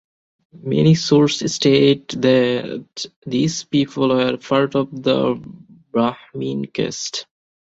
Many sources state that these people were part of the Brahmin caste.